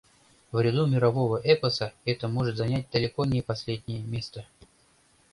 В ряду мирового эпоса это может занять далеко не последнее место.